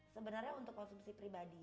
sebenarnya untuk konsumsi pribadi